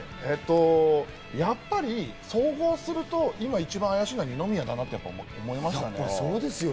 やっぱり総合すると今一番怪しいのは二宮だなって思いましたね。